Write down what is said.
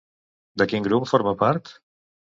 De quin grup forma part?